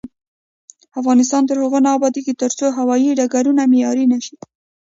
افغانستان تر هغو نه ابادیږي، ترڅو هوايي ډګرونه معیاري نشي.